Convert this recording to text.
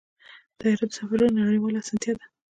طیاره د سفرونو نړیواله اسانتیا ده.